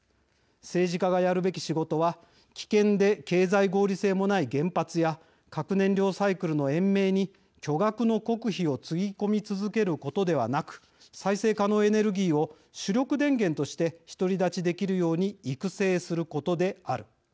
政治がやるべき仕事は危険で経済合理性もない原発や核燃料サイクルの延命に巨額の国費をつぎ込み続けることではなく再生可能エネルギーを主力電源として独り立ちできるように育成することである」。